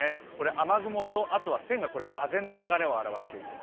雨雲と線が風の流れを表しています。